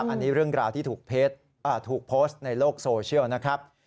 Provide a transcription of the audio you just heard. อันนี้เรื่องราวที่ถูกโพสต์ในโลกโซเชียลนะครับ